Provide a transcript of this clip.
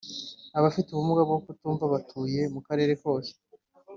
Abafite ubumuga bwo kutumva batuye mu karere kose